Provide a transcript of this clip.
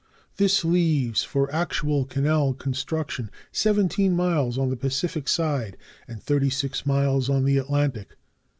This leaves for actual canal construction 17 miles on the Pacific side and 36 miles on the Atlantic.